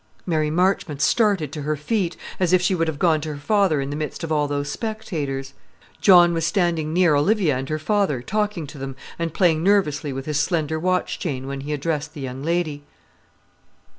Mary Marchmont started to her feet, as if she would have gone to her father in the midst of all those spectators. John was standing near Olivia and her father, talking to them, and playing nervously with his slender watch chain when he addressed the young lady.